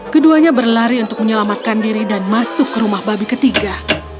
keduanya berlari untuk menyelamatkan diri dan masuk ke rumah babi ketiga